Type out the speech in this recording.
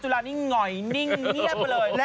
จุฬานี้เหงอยนิ่งเหี้ยบเลย